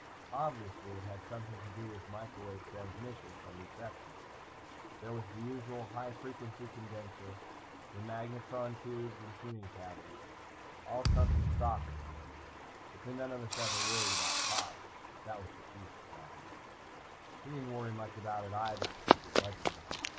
Obviously, it had something to do with microwave transmission and reception. There was the usual high frequency condensor, the magnatron tubes, the tuning cavities. All company stock, of course. But then none of us ever worried about cost. That was the Chief's problem. He didn't worry much about it either, except at budget time.